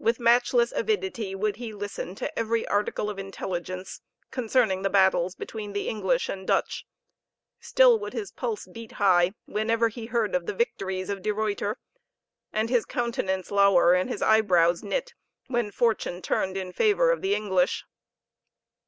With matchless avidity would he listen to every article of intelligence concerning the battles between the English and Dutch; still would his pulse beat high, whenever he heard of the victories of De Ruyter and his countenance lower, and his eyebrows knit, when fortune turned in favor of the English.